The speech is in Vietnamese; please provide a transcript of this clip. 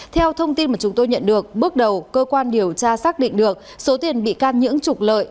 theo thông tin mà chúng tôi nhận được bước đầu cơ quan điều tra xác định được số tiền bị can nhưỡng trục lợi